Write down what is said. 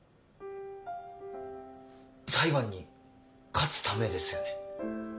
裁判に勝つためですよね。